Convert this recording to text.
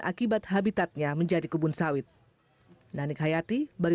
akibat habitatnya menjadi kebun sawit